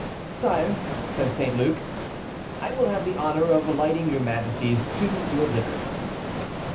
"Sire," said St. Luc, "I will have the honor of lighting your majesties to your litters."